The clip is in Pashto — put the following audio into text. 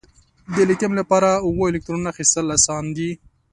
د لیتیم لپاره اووه الکترونو اخیستل آسان دي؟